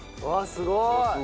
すごい。